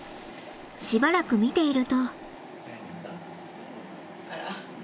しばらく見ていると。